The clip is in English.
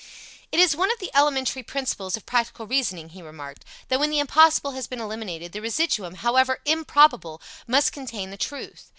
"It is one of the elementary principles of practical reasoning," he remarked, "that when the impossible has been eliminated the residuum, HOWEVER IMPROBABLE, must contain the truth.